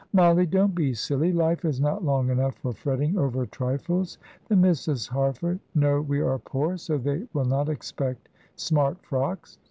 "Mollie, don't be silly. Life is not long enough for fretting over trifles. The Misses Harford know we are poor, so they will not expect smart frocks.